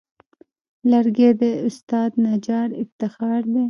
لرګی د استاد نجار افتخار دی.